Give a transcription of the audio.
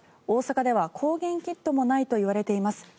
大阪では抗原キットもないといわれています。